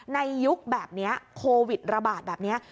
ยุคแบบนี้โควิดระบาดแบบนี้